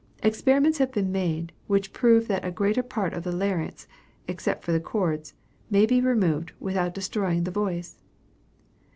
Experiments have been made, which prove that a greater part of the larynx, except these chords, may be removed without destroying the voice.